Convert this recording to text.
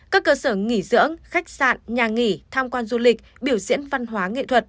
các cơ sở nghỉ dưỡng khách sạn nhà nghỉ tham quan du lịch biểu diễn văn hóa nghệ thuật